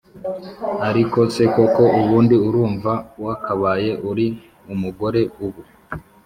ariko se koko ubundi urumva wakabaye uri umugore ubu?